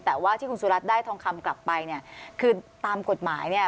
แต่ว่าที่คุณสุรัตน์ได้ทองคำกลับไปเนี่ยคือตามกฎหมายเนี่ย